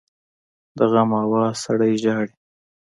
د غم آواز سړی ژاړي